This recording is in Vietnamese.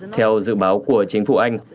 theo dự báo của chính phủ anh